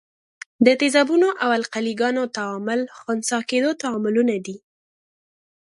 د تیزابونو او القلي ګانو تعامل خنثي کیدو تعاملونه دي.